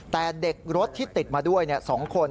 แต่เด็กรถที่ติดมาด้วย๒คน